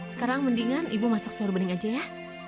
sekarang mendingan ibu masak sor bening aja ya